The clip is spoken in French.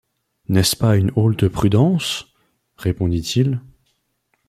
N’est-ce pas une haulte prudence ?… respondit-il.